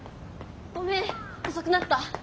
ごめん遅くなった。